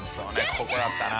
ここだったな。